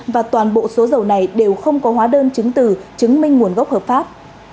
và toàn bộ số dầu này đều không có hóa đơn chứng từ chứng minh nguồn gốc hợp pháp